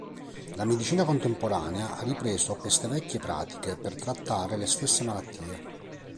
La medicina contemporanea ha ripreso queste vecchie pratiche per trattare le stesse malattie.